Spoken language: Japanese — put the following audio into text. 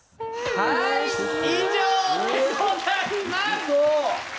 はい以上でございます。